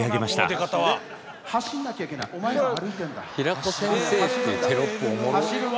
「平子先生」っていうテロップおもろ。